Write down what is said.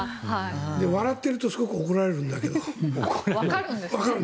笑っているとすごく怒られるんだけどわかる。